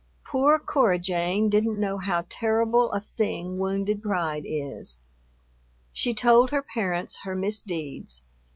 Poor Cora Jane didn't know how terrible a thing wounded pride is. She told her parents her misdeeds.